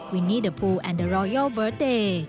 วินี่เดอะพูลแอนด์เดอะโรยาลเบิร์ตเดย์